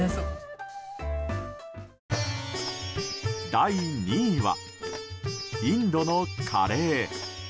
第２位は、インドのカレー。